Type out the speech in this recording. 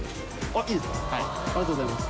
ありがとうございます。